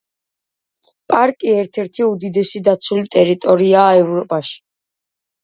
პარკი ერთ-ერთი უდიდესი დაცული ტერიტორიაა ევროპაში.